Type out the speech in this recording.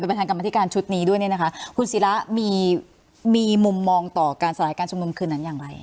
ประธานกรรมธิการชุดนี้ด้วยเนี่ยนะคะคุณศิระมีมุมมองต่อการสลายการชุมนุมคืนนั้นอย่างไร